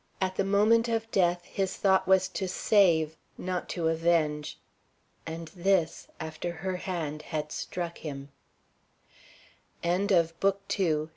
At the moment of death his thought was to save, not to avenge. And this after her hand had struck him. CHAPTER VI. ANSWERED.